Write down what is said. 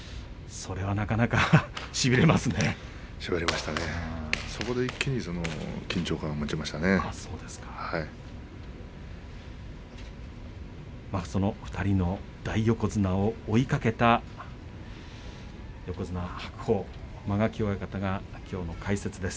それで一気に緊張感をその２人の大横綱を追いかけた横綱白鵬、間垣親方がきょうの解説です。